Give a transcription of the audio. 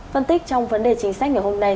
phân tích trong vấn đề chính sách ngày hôm nay